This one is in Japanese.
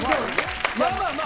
まあまあま